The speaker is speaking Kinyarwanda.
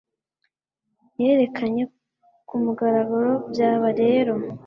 yerekanye ku mugaragaro byaba rero